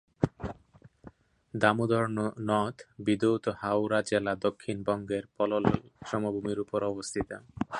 দামোদর নদ বিধৌত হাওড়া জেলা দক্ষিণবঙ্গের পলল সমভূমির উপর অবস্থিত।